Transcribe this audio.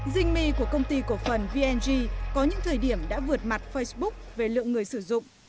dinh mê của công ty cổ phần vn có những thời điểm đã vượt mặt facebook về lượng người sử dụng